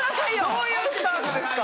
どういうスタンスですか？